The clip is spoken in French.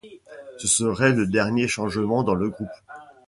Ce serait le dernier changement dans le groupe.